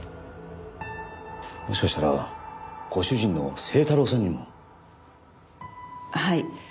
もしかしたらご主人の清太郎さんにも？はい。